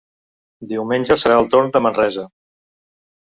Diumenge serà el torn de Manresa.